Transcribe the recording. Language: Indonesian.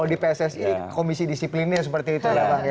kalau di pssi komisi disiplinnya seperti itu ya bang